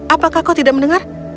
apakah kau tidak mendengar